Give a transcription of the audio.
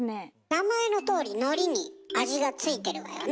名前のとおりのりに味が付いてるわよね。